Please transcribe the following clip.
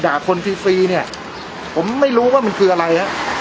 คนฟรีฟรีเนี่ยผมไม่รู้ว่ามันคืออะไรฮะ